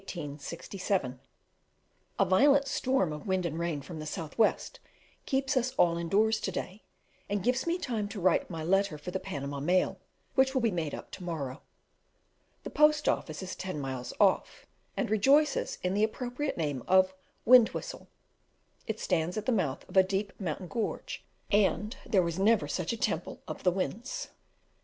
A violent storm of wind and rain from the south west keeps us all indoors to day, and gives me time to write my letter for the Panama mail, which will be made up to morrow. The post office is ten miles off, and rejoices in the appropriate name of "Wind whistle;" it stands at the mouth of a deep mountain gorge, and there never was such a temple of the winds.